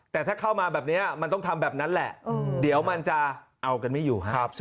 แต่ถ้าเข้ามาแบบนี้มันต้องทำแบบนั้นแหละเดี๋ยวมันจะเอากันไม่อยู่ครับ